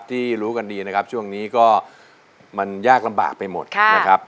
รู้กันดีนะครับช่วงนี้ก็มันยากลำบากไปหมดนะครับ